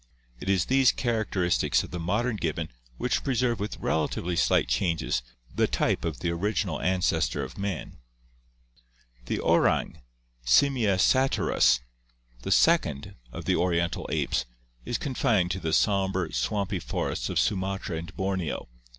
241]. It is these characteristics of the modern gibbon which preserve with relatively slight changes the type of the original ancestor of man." The orang (PI. XXVII), Simla satyrus, the second of the oriental 650 ORGANIC EVOLUTION apes, is confined to the somber, swampy forests of Sumatra and Borneo.